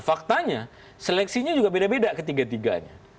faktanya seleksinya juga beda beda ketiga tiganya